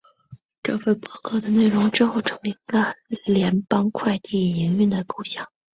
这份报告的内容之后成为了联邦快递营运的构想。